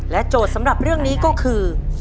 โจทย์สำหรับเรื่องนี้ก็คือ